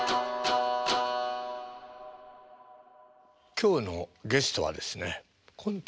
今日のゲストはですねコント